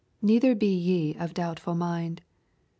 — [Neither he ye of doubtful mind.